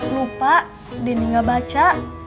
lupa denny gak baca